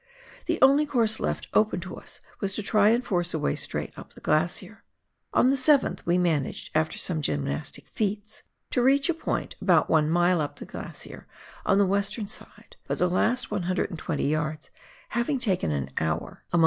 The only course left open to us was to try and force a way straight up the glacier. On the 7th we managed, after some gymnastic feats, to reach a point about one mile up the glacier on the western side, but the last 120 yards having taken an hour, amongst WAIHO RIVER FRANZ JOSEF GLACIER.